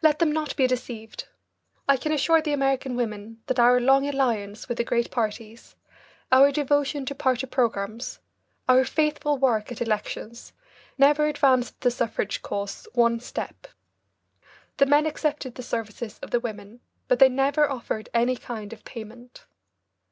Let them not be deceived. I can assure the American women that our long alliance with the great parties, our devotion to party programmes, our faithful work at elections, never advanced the suffrage cause one step. The men accepted the services of the women, but they never offered any kind of payment.